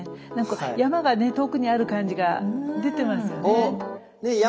なんか山がね遠くにある感じが出てますよね。